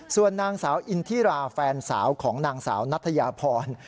ส่วนนางสาวอินทิราแฟนสาวของนางสาวนัทยาพร